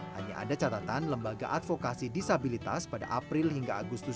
hanya ada catatan lembaga advokasi disabilitas pada april hingga agustus dua ribu dua puluh